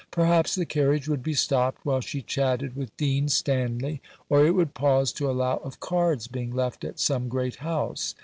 Perhaps the carriage would be stopped while she chatted with Dean Stanley; or it would pause to allow of cards being left at some great house.